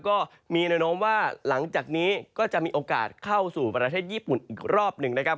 ก็มีแนวโน้มว่าหลังจากนี้ก็จะมีโอกาสเข้าสู่ประเทศญี่ปุ่นอีกรอบหนึ่งนะครับ